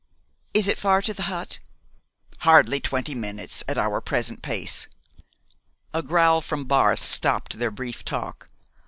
"Is it far to the hut?" "Hardly twenty minutes at our present pace." A growl from Barth stopped their brief talk.